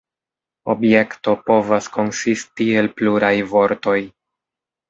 Objekto povas konsisti el pluraj vortoj.